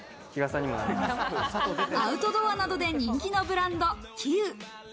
アウトドアなどで人気のブランド、ＫｉＵ。